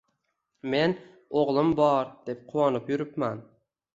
Men o'g'lim bor, deb quvonib yuribman.